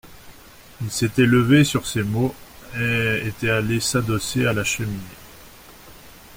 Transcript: Il s'était levé, sur ces mots, et était allé s'adosser à la cheminée.